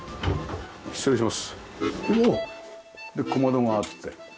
で小窓があって。